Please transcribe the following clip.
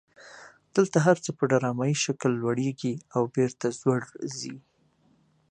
دلته هر څه په ډرامایي شکل لوړیږي او بیرته ځوړ خي.